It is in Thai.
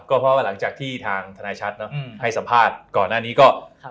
ก็เพราะว่าหลังจากที่ทางธนายชัดให้สัมภาษณ์ก่อนหน้านี้ก็